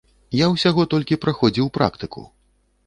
Я ўсяго толькі праходзіў практыку.